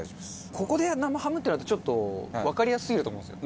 ここで生ハムってなるとちょっとわかりやすすぎると思うんですよ。